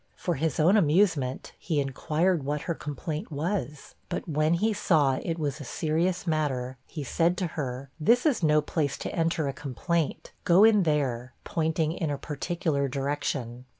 For his own amusement, he inquired what her complaint was; but, when he saw it was a serious matter, he said to her, 'This is no place to enter a complaint go in there,' pointing in a particular direction.